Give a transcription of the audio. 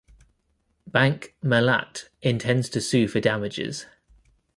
Bank Mellat intends to sue for damages.